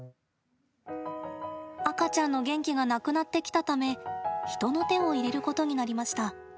赤ちゃんの元気がなくなってきたため人の手を入れることになりました。